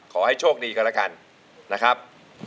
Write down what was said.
ขอให้โชคดีกันแล้วกันนะครับ